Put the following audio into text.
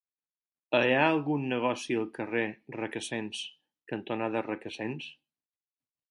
Hi ha algun negoci al carrer Requesens cantonada Requesens?